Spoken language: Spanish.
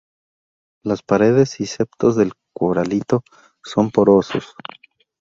Las paredes y septos del coralito son porosos.